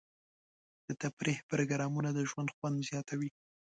د تفریح پروګرامونه د ژوند خوند زیاتوي.